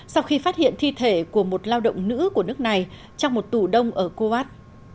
sau khi phát hiện thi thể của một lao động nữ của nước này trong một tù đông ở kuwait